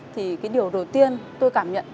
thì cái điều đầu tiên tôi cảm nhận